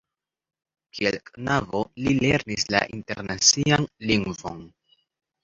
Kiel knabo li lernis la internacian lingvon.